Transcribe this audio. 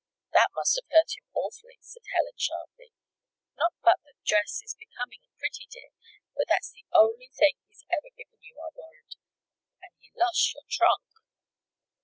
"That must have hurt him awfully," said Helen, sharply. "Not but that the dress is becoming and pretty, dear. But that's the only thing he's ever given you, I warrant and he lost your trunk!"